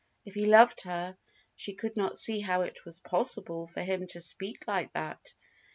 If he loved her, she could not see how it was possible for him to speak like that!